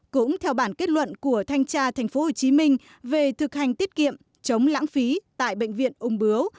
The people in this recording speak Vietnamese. cũng theo bản kết luận của thanh tra tp hcm về thực hành tiết kiệm chống lãng phí tại bệnh viện ung bướu